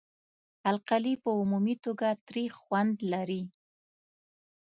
القلي په عمومي توګه تریخ خوند لري.